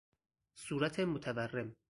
صورت متورم